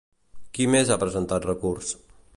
Qui més ha presentat recurs?